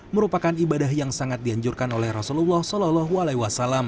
merupakan ibadah yang sangat dianjurkan oleh rasulullah saw